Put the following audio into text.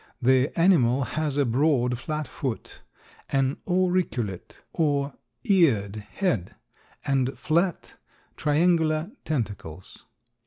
The animal has a broad, flat foot, an auriculate or eared head, and flat, triangular tentacles.